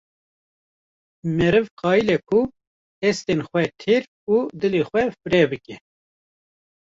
meriv qayile ku hestên xwe têr û dilê xwe fireh bike.